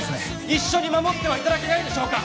一緒に守っては頂けないでしょうか？